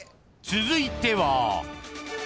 ［続いては］